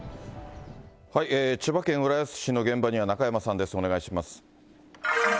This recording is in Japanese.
千葉県浦安市の現場には中山さんです、お願いします。